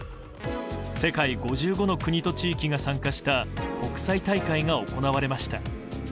世界５５の国と地域が参加した国際大会が行われました。